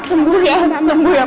sembuh ya sembuh ya pak